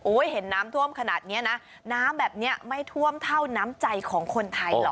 เห็นน้ำท่วมขนาดนี้นะน้ำแบบนี้ไม่ท่วมเท่าน้ำใจของคนไทยหรอก